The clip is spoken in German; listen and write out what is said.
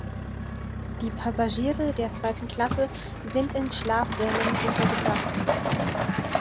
Die Passagiere der Zweiten Klasse sind in Schlafsälen untergebracht.